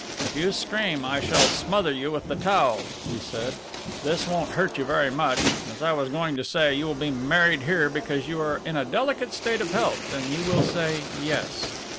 "If you scream I shall smother you with the towel," he said. "This won't hurt you very much. As I was going to say, you will be married here because you are in a delicate state of health and you will say 'Yes.'"